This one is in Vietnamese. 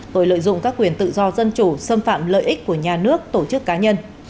tội lợi dụng các quyền tự do dân chủ xâm phạm lợi ích của nhà nước tổ chức cá nhân